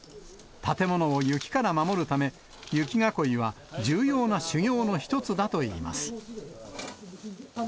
建物を雪から守るため、雪囲いは重要な修行の一つだといいます。